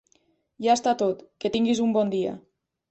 Ja està tot, que tinguis un bon dia.